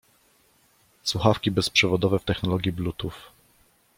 Słuchawki bezprzewodowe w technologii bluetooth.